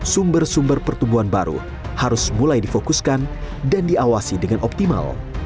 sumber sumber pertumbuhan baru harus mulai difokuskan dan diawasi dengan optimal